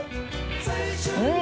うん！